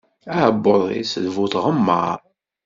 Aɛebbuḍ-is, d bu tɣemmaṛ.